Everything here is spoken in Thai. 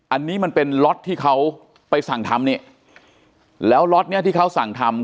อันนี้มันเป็นล็อตที่เขาไปสั่งทำนี่แล้วล็อตเนี้ยที่เขาสั่งทำ